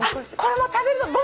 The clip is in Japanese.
「これも食べるの？